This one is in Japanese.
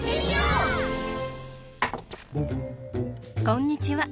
こんにちは！